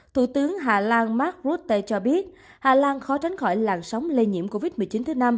thủ tướng hà lan mark rutte cho biết hà lan khó tránh khỏi làn sóng lây nhiễm covid một mươi chín thứ năm